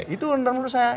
itu menurut saya